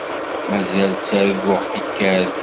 Mazal ttarguɣ-k tikkal.